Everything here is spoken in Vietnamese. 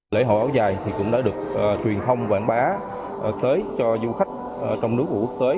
lễ hội áo dài cũng đã được truyền thông quảng bá tới cho du khách trong nước và quốc tế